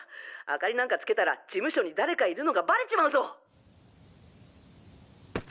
明かりなんかつけたら事務所に誰かいるのがバレちまうぞ！